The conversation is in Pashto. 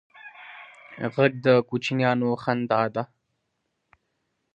غږ د کوچنیانو خندا ده